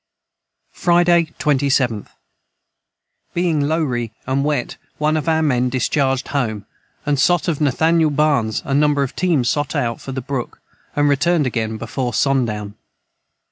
Friday 27th. Being lowry & wet one of our men Discharged home & sot of Nathaniel Barnes a number of teams sot out for the Brook & returned again before son down.